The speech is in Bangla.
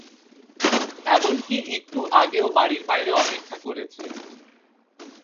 এমনকি একটু আগেও বাড়ির বাইরে অপেক্ষা করেছে।